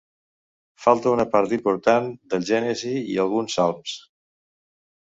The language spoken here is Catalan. Falta una part important del Gènesi i alguns Salms.